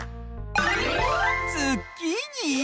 ズッキーニ？